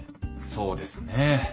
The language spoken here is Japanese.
そうですね。